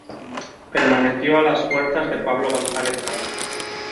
Permaneció a las fuerzas de Pablo González Garza.